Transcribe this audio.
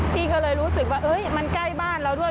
พี่ก็เลยรู้สึกว่ามันใกล้บ้านเราด้วย